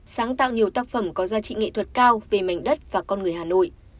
sáng tạo nhiều tác phẩm có giá trị nghệ thuật cao về mảnh đất và con người hà nội